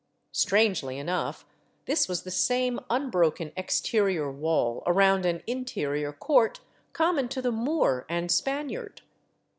Strangely enough, this was the same unbroken exterior wall around an interior court common to the Moor and Spaniard.